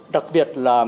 đặc biệt là